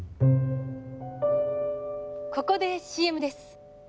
ここでＣＭです。